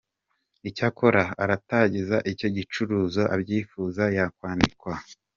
Icyakora atarageza icyo gicuruzo abyifuza yakwandikwa.